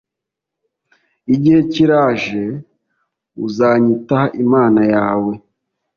igihe kiraje uzanyita imana yawe